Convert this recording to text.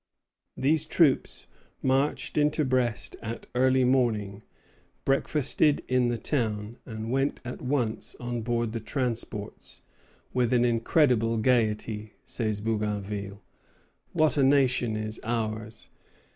These troops marched into Brest at early morning, breakfasted in the town, and went at once on board the transports, "with an incredible gayety," says Bougainville. "What a nation is ours!